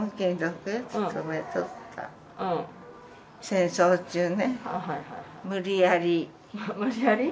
戦争中ね無理やり。